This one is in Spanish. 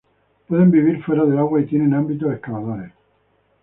Pueden vivir fuera del agua y tienen ámbitos excavadores.